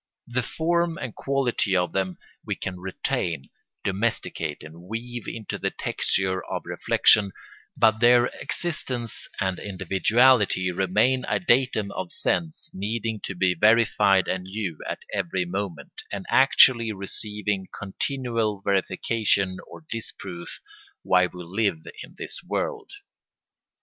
The form and quality of them we can retain, domesticate, and weave into the texture of reflection, but their existence and individuality remain a datum of sense needing to be verified anew at every moment and actually receiving continual verification or disproof while we live in this world.